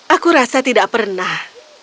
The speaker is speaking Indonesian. aku rasa tidak pernah